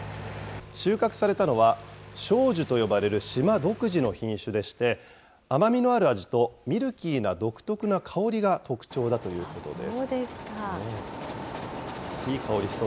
収穫されたのは、松寿と呼ばれる島独自の品種でして、甘みのある味と、ミルキーな独特な香りが特徴だということです。